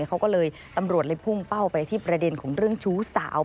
เขาก็เลยตำรวจเลยพุ่งเป้าไปที่ประเด็นของเรื่องชู้สาว